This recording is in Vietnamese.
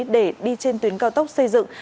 để đi trên tuyến cao tốc xây dựng